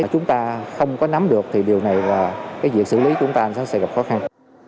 chúng ta không có nắm được thì điều này và cái việc xử lý chúng ta sẽ gặp khó khăn